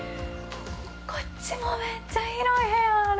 こっちもめっちゃ広い部屋がある！